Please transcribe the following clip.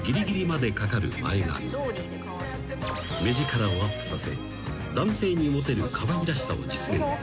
［目力をアップさせ男性にモテるかわいらしさを実現］